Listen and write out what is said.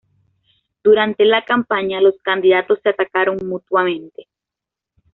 Durante la campaña los candidatos se atacaron mutuamente.